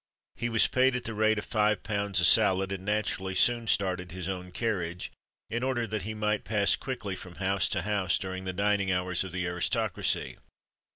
He was paid at the rate of £5 a salad, and naturally, soon started his own carriage, "in order that he might pass quickly from house to house, during the dining hours of the aristocracy."